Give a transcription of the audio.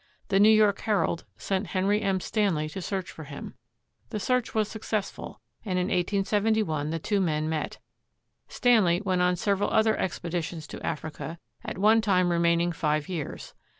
The New York "Herald" sent Henry M. Stanley to search for him. The search was successful, and in 187 1 the two men met. Stanley went on several other expeditions to Africa, at one time remaining five years.